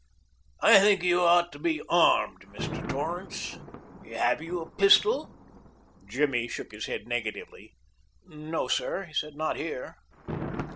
I think you ought to be armed, Mr. Torrance. Have you a pistol?" Jimmy shook his head negatively. "No, sir," he said; "not here."